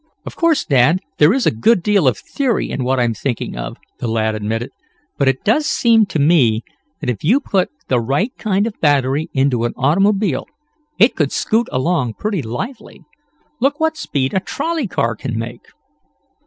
"Of course, Dad, there is a good deal of theory in what I'm thinking of," the lad admitted. "But it does seem to me that if you put the right kind of a battery into an automobile, it could scoot along pretty lively. Look what speed a trolley car can make."